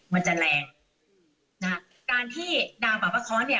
มันจะแรงนะคะการที่ดาวปะปะเคาะเนี่ย